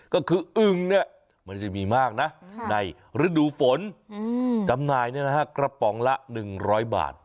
ก็คืออึงเนี่ยมันจะมีมากนะในฤดูฝนจำหน่ายกระป๋องละ๑๐๐บาท